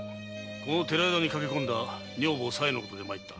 この寺宿に駆け込んだ女房・佐枝のことで参った。